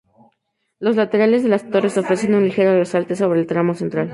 Los laterales de las torres ofrecen un ligero resalte sobre el tramo central.